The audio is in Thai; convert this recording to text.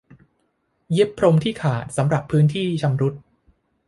เย็บพรมที่ขาดสำหรับพื้นที่ชำรุด